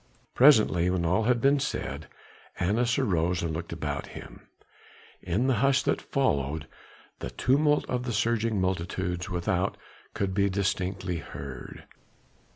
Presently, when all had been said, Annas arose and looked about him. In the hush that followed, the tumult of the surging multitudes without could be distinctly heard.